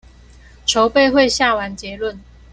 籌備會下完結論